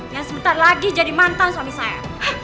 dan sebentar lagi jadi mantan suami saya